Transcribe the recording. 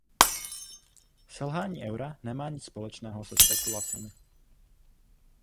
Selhání eura nemá nic společného se spekulacemi.